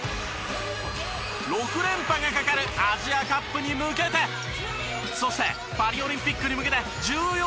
６連覇がかかるアジアカップに向けてそしてパリオリンピックに向けて重要な戦いとなります。